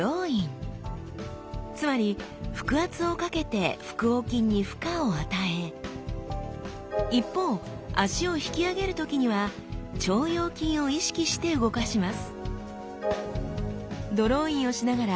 つまり腹圧をかけて腹横筋に負荷を与え一方脚を引き上げる時には腸腰筋を意識して動かします。